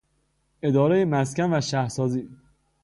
ادارهٔ مسکن و شهرسازی